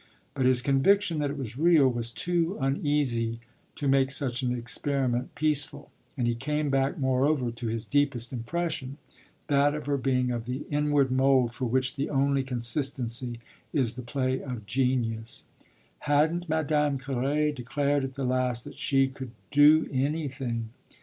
But his conviction that it was real was too uneasy to make such an experiment peaceful, and he came back, moreover, to his deepest impression that of her being of the inward mould for which the only consistency is the play of genius. Hadn't Madame Carré declared at the last that she could "do anything"?